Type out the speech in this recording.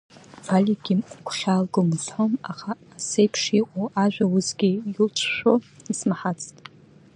Валиагьы игәхьаалгом узҳәом, аха асеиԥш иҟоу ажәа усгьы илҿшәо исмаҳацт…